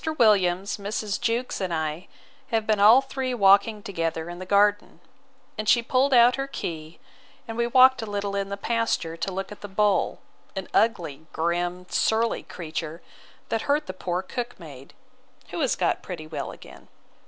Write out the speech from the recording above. Williams, Mrs. Jewkes, and I, have been all three walking together in the garden; and she pulled out her key, and we walked a little in the pasture to look at the bull, an ugly, grim, surly creature, that hurt the poor cook maid; who is got pretty well again.